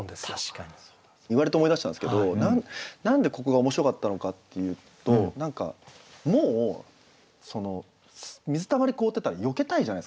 言われて思い出したんですけど何でここが面白かったのかっていうともう水たまり凍ってたらよけたいじゃないですか普通。